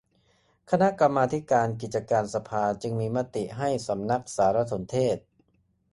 คณะกรรมาธิการกิจการสภาจึงมีมติให้สำนักสารสนเทศ